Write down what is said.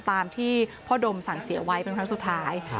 ตามที่พ่อดมสั่งเสียไว้เป็นครั้งสุดท้าย